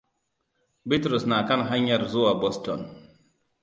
Bitrus na kan hanyar zuwa Boston.